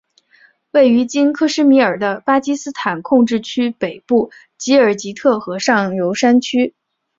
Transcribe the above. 位于今克什米尔的巴基斯坦控制区北部吉尔吉特河上游山区。